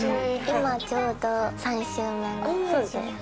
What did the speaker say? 今ちょうど３周目見てます。